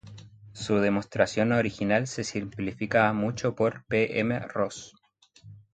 Su demostración original se simplifica mucho por P. M. Ross.